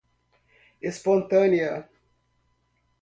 espontânea